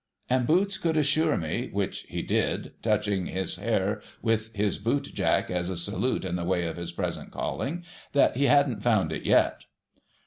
And Boots could assure me — which he did, touching his hair with his bootjack, as a salute in the way of his present calling — that he hadn't found it yet.